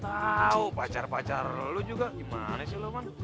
tau pacar pacar lu juga gimana sih lu